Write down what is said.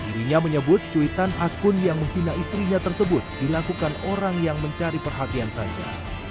dirinya menyebut cuitan akun yang menghina istrinya tersebut dilakukan orang yang mencari perhatian saja